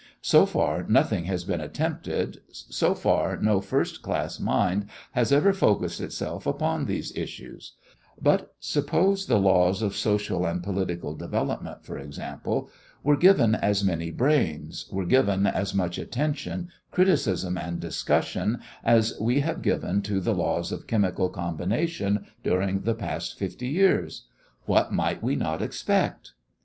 So far nothing has been attempted, so far no first class mind has ever focused itself upon these issues; but suppose the laws of social and political development, for example, were given as many brains, were given as much attention, criticism, and discussion as we have given to the laws of chemical combination during the last fifty years, what might we not expect?